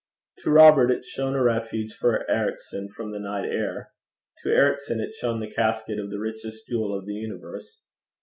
To Robert it shone a refuge for Ericson from the night air; to Ericson it shone the casket of the richest jewel of the universe.